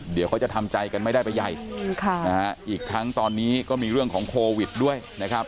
เดี๋ยวเขาจะทำใจกันไม่ได้ไปใหญ่อีกทั้งตอนนี้ก็มีเรื่องของโควิดด้วยนะครับ